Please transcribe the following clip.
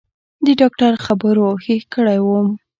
د ډاکتر خبرو هېښ کړى وم.